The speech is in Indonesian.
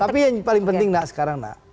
tapi yang paling penting sekarang